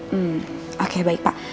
hmm oke baik pak